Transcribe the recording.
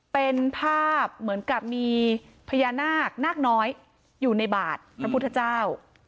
เป็นภาพเหมือนกับมีพญานาคนาคน้อยอยู่ในบาทพระพุทธเจ้า